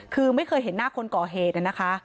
คือไม่เคยเห็นหน้าคนก่อเหตุนะคะ